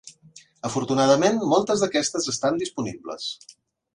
Afortunadament, moltes d'aquestes estan disponibles.